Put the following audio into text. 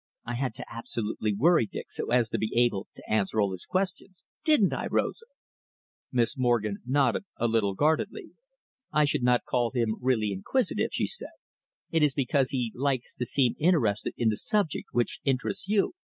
I had to absolutely worry Dick so as to be able to answer all his questions, didn't I, Rosa?" Miss Morgen nodded a little guardedly. "I should not call him really inquisitive," she said. "It is because he likes to seem interested in the subject which interests you."